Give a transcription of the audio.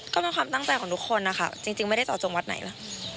ก็เป็นความตั้งใจของทุกคนนะคะจริงไม่ได้เจาะจงวัดไหนนะ